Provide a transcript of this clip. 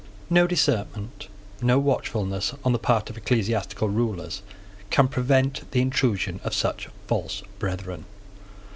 No discernment, no watchfulness, on the part of ecclesiastical rulers, can prevent the intrusion of such false brethren.